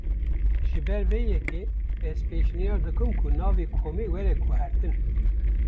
Ji ber vê yekê, ez pêşniyar dikim ku navê komê were guhertin